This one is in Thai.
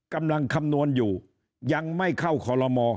กำลังคำนวณอยู่ยังไม่เข้าขอลม